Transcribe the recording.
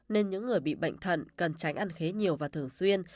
nên những người bị bệnh thận cần tránh ăn khế nhiều và thường xuyên